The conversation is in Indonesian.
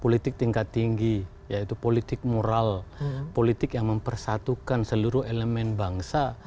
politik tingkat tinggi yaitu politik moral politik yang mempersatukan seluruh elemen bangsa